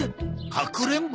かくれんぼ？